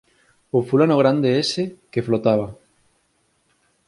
O fulano grande ese que flotaba.